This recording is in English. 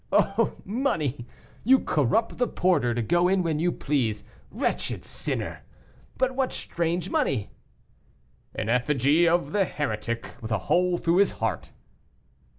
"Oh, money! you corrupt the porter to go in when you please, wretched sinner! But what strange money!" "An effigy of the heretic, with a hole through his heart."